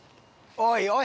おいおい。